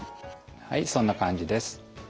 はいそんな感じです。